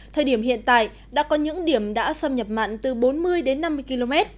thời điểm hiện tại đã có những điểm đã xâm nhập mặn từ bốn mươi đến năm mươi km